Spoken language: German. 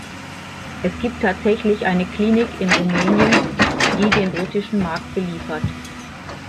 Es gibt tatsächlich eine Klinik in Rumänien, die den britischen Markt beliefert.